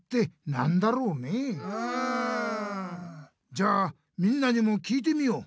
じゃあみんなにも聞いてみよう。